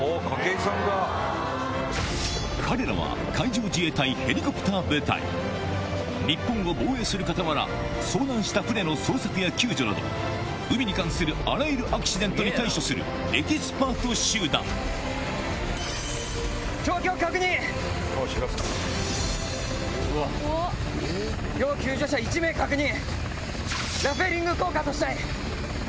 彼らは海上自衛隊ヘリコプター部隊日本を防衛する傍ら遭難した船の捜索や救助など海に関するあらゆるアクシデントに対処するエキスパート集団ラペリング降下としたい。